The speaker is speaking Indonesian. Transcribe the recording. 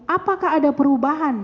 apakah ada perubahan